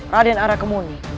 raden arya kemuni